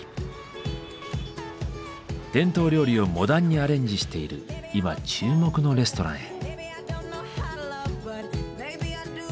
伝統料理をモダンにアレンジしている今注目のレストランへ。